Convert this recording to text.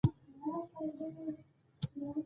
دا د سر لیویس پیلي سره د خبرو لپاره وو.